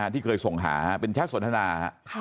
ที่เคยส่งหาเป็นแชทสนทนา